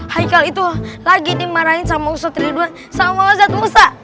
hai kal itu lagi dimarahin sama ustadz ridwan sama ustadz musa